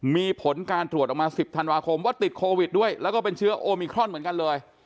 มีผลการตรวจออกมา๑๐ธันวาคมว่าติดโควิดด้วยแล้วก็เป็นเชื้อโอมิครอนเหมือนกันเลย